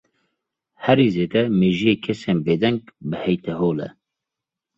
Herî zêde mejiyê kesên bêdeng bi heytehol e.